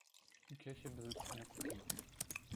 Die Kirche besitzt eine Kopie.